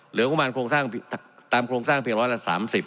เหลือก็ประมาณตามโครงสร้างเพียง๑๓๐